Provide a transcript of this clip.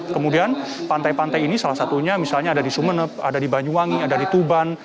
kemudian pantai pantai ini salah satunya misalnya ada di sumeneb ada di banyuwangi ada di tuban